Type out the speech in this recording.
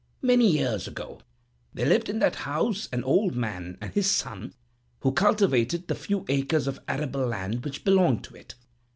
Many years ago, there lived in that house an old man and his son, who cultivated the few acres of arable land which belong to it.